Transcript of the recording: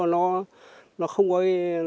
nó không có